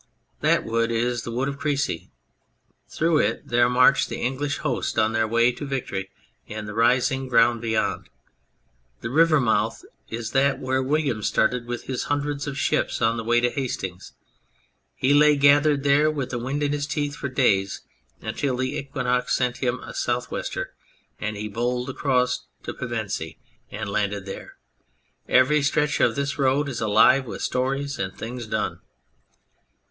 That wood is the wood of Crecy : through it there marched the English host on their way to victory in the rising ground beyond. The river mouth is that whence William started with his hundreds of ships on the way to Hastings : he lay gathered there with the wind in his teeth for days, until the equinox sent him a south wester and he bowled across to Pevensey and landed there : every stretch of this road is alive with stories and things done.